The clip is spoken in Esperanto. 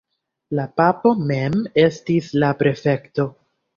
La papo mem estis la prefekto.